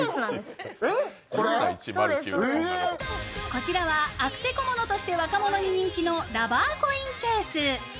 こちらはアクセ小物として若者に人気のラバーコインケース。